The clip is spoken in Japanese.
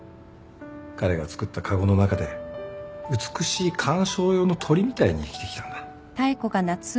彼が作った籠の中で美しい観賞用の鳥みたいに生きてきたんだ。